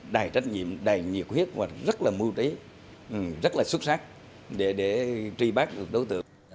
đầy trách nhiệm đầy nhiệt huyết và rất là mưu trí rất là xuất sắc để để truy bắt được đối tượng